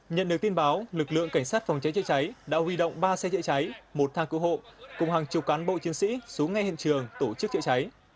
nhận được tin báo lực lượng cảnh sát phòng cháy chạy cháy đã huy động ba xe chạy cháy một thang cửa hộ cùng hàng chục cán bộ chiến sĩ xuống ngay hiện trường tổ chức chạy cháy